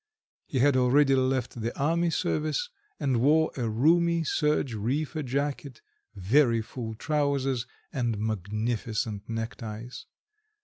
He had already left the army service, and wore a roomy serge reefer jacket, very full trousers, and magnificent neckties.